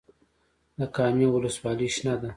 د کامې ولسوالۍ شنه ده